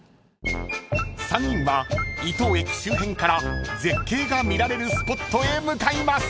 ［３人は伊東駅周辺から絶景が見られるスポットへ向かいます］